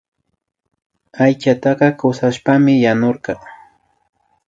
Aychataka kushashpami yanurka